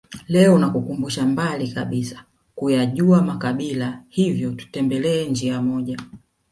Leo nakukumbusha mbali kabisa kuyajua makabila hivyo tutembelee njia moja